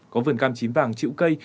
có vườn cam chín vàng chĩu cây